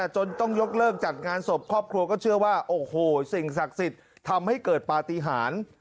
จนต้องยกเลิกจัดงานศพครอบครัวก็เชื่อว่าโอ้โหสิ่งศักดิ์สิทธิ์ทำให้เกิดปฏิหาร